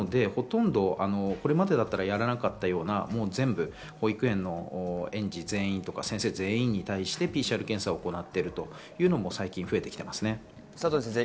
これまでだったら、やらなかったような保育園の園児全員とか先生全員にＰＣＲ検査を行っているというのも最近、増えてきていますね。